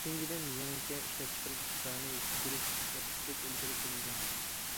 ئۈچىنچىدىن يېڭىچە ئىشلەپچىقىرىش ئىقتىدارىنى يېتىشتۈرۈش تەرتىپلىك ئىلگىرى سۈرۈلگەن.